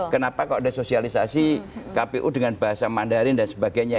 kenapa kok ada sosialisasi kpu dengan bahasa mandarin dan sebagainya